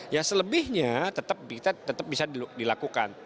ya selebihnya tetap bisa dilakukan